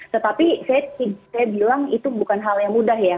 tetapi saya bilang itu bukan hal yang mudah ya